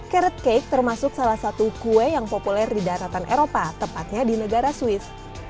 carrot cake termasuk salah satu kue yang populer di daratan eropa tepatnya di negara swiss